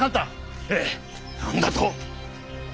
何だと！？